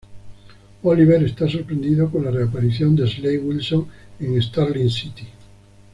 Oliver está sorprendido con la reaparición de Slade Wilson en Starling City.